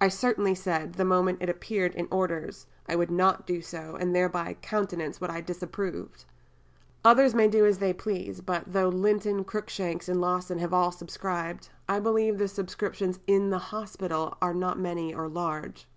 I certainly said, the moment it appeared in Orders, I would not do so, and thereby countenance what I disapproved. Others may do as they please, but though Linton, Cruikshanks, and Lawson have all subscribed, I believe the subscriptions in the hospital are not many or large."